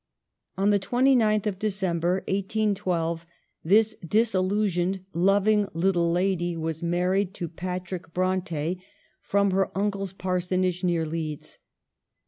On the 29th of December, 18 12, this disillu sioned, loving little lady was married to Patrick Bronte, from her uncle's parsonage near Leeds.